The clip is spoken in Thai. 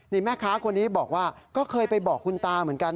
นี่แม่ค้าคนนี้บอกว่าก็เคยไปบอกคุณตาเหมือนกัน